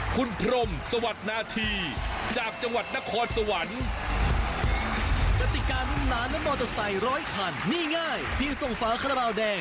คุณผู้ชมครับช่วงเวลาแบบนี้ทีไรใจผมเต้น